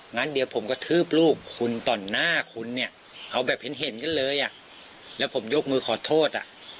งั้นเดี๋ยวผมกระทืบลูกคุณต่อหน้าคุณเนี่ยเอาแบบเห็นเห็นกันเลยอ่ะแล้วผมยกมือขอโทษอ่ะ